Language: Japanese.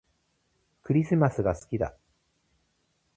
クリスマスが好きだ